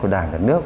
của đảng và nước